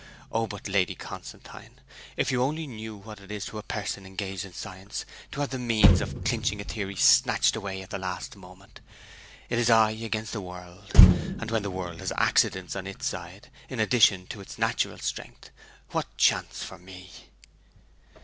Oh, but, Lady Constantine, if you only knew what it is to a person engaged in science to have the means of clinching a theory snatched away at the last moment! It is I against the world; and when the world has accidents on its side in addition to its natural strength, what chance for me!'